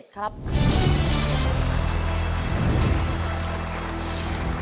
ตัวเลือกที่๔ขึ้น๘ค่ำเดือน๗